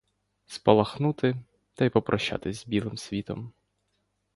Спалахнути — та й попрощатись з білим світом.